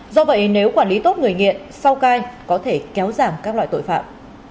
do vậy nếu quản lý tốt người nghiện sau cai có thể kéo giảm các loại tội phạm